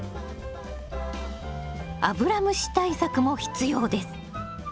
アブラムシ対策も必要です。